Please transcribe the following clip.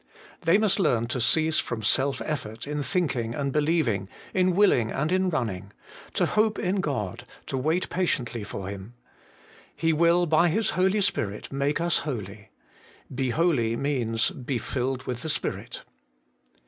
They must learn to cease from self effort in thinking and believing, in willing and in running ; to hope in God, and wait patiently for Him. He will by His Holy Spirit make us holy. Be holy means, Be filled with the Spirit.